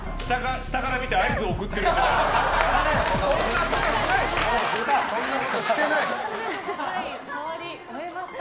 下から見て、合図送ってるとか。